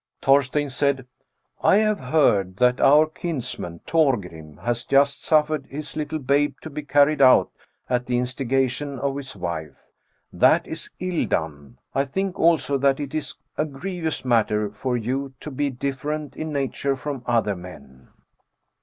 *" Thorsteinn said, —* I have heard that our kins man, Thorgrim, has just suffered his little babe to be carried out, at the instigation of his wife. That is ill done. I think also that it is a grievous matter for yon to be diflferent in nature from other men.'